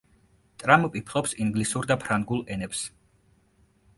ტრამპი ფლობს ინგლისურ და ფრანგულ ენებს.